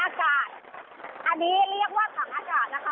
อากาศนี้จะมีระยะเวลา๔๕๕๐นาทีเท่านั้นนะคะ